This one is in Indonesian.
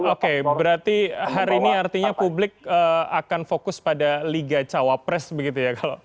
oke berarti hari ini artinya publik akan fokus pada liga cawapres begitu ya